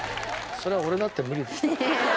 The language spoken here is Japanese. それは俺だって無理だよ。